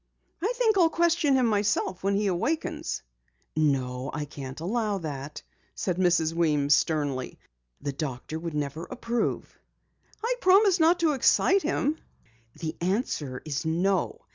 "I think I'll question him myself when he awakens." "No, I can't allow that," said Mrs. Weems sternly. "The doctor would never approve." "I promise not to excite him." "The answer is no!